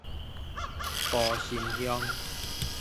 埔心鄉